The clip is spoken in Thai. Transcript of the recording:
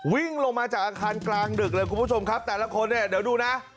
วิ่งลงมาจากอาคารกลางดึกเลยคุณผู้ชมครับแต่ละคนเนี่ยเดี๋ยวดูนะ